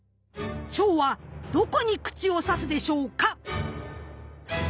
チョウはどこに口を挿すでしょうか？